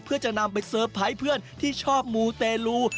เพื่อจะนำไปเซอร์ไพรส์เพื่อนที่ชอบมูเตลู